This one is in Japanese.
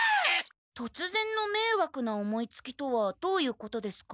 とつぜんのめいわくな思いつきとはどういうことですか？